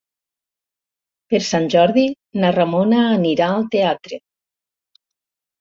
Per Sant Jordi na Ramona anirà al teatre.